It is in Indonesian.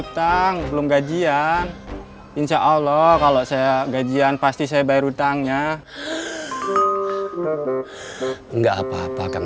hutang belum gajian insyaallah kalau saya gajian pasti saya bayar hutangnya nggak apa apa kang